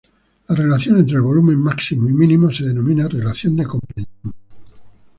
La relación entre el volumen máximo y mínimo se denomina relación de compresión.